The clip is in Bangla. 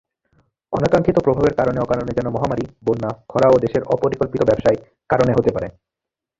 অনাকাঙ্ক্ষিত প্রভাবের কারনে-অকারনে যেমন মমহামারি, বন্যা, খরা ও দেশের অপরিকল্পিত ব্যাবসায় কারনে হতে পারে